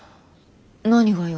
何がよ？